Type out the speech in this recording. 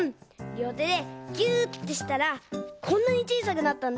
りょうてでぎゅってしたらこんなにちいさくなったんだ！